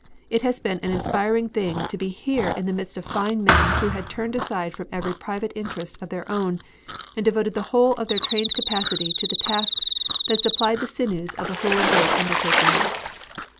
It has been an inspiring thing to be here in the midst of fine men who had turned aside from every private interest of their own and devoted the whole of their trained capacity to the tasks that supplied the sinews of the whole great undertaking!